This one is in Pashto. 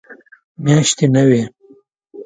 میاشتې نه وي.